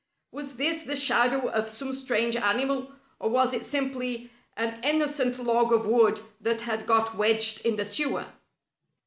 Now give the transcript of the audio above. Was this the shadow of some strange animal, or was it simply an innocent log of wood that had got wedged in the sewer?